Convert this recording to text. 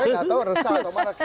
saya nggak tahu resah atau marah